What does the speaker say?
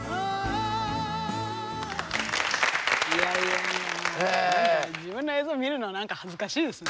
いやいやいやもう自分の映像見るの何か恥ずかしいですね。